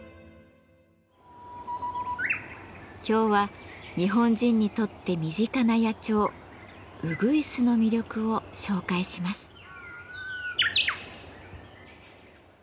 今日は日本人にとって身近な野鳥うぐいすの魅力を紹介します。